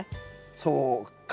そうか。